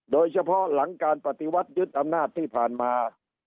โดยเฉพาะหลังการปฏิวัติยึดอำนาจที่ผ่านมา